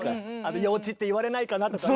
幼稚って言われないかなとかね。